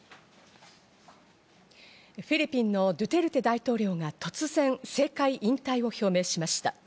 フィリピンのドゥテルテ大統領が突然、政界引退を表明しました。